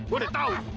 gue udah tau